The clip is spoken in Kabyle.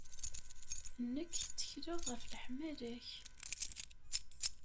Nekk, ttekleɣ ɣef leḥmala-k.